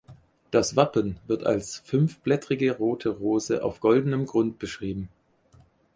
Das Wappen wird als "Fünfblättrige rote Rose auf goldenem Grund" beschrieben.